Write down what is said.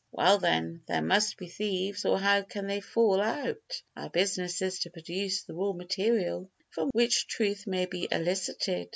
"Well then, there must be thieves, or how can they fall out? Our business is to produce the raw material from which truth may be elicited."